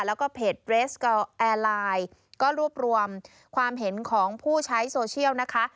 แล้วก็เพจเรสก็แอร์ไลน์ก็รวบรวมความเห็นของผู้ใช้โซเชียลนะคะ